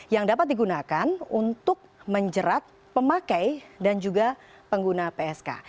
yang dapat digunakan untuk menjerat pemakai dan juga pengguna psk